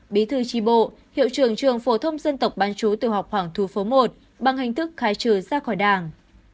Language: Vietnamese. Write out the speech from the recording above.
bí thư tri bộ hiệu trường trường phổ thông dân tộc ban chú tiểu học hoàng thu phố i bằng hình thức khai trừ ra khỏi đảng